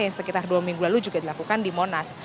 yang bulan lalu juga dilakukan di monas